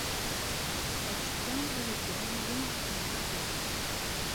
Azekka, ad dduɣ yid-m ɣer temkarḍit.